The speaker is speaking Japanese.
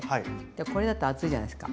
これだと厚いじゃないですか。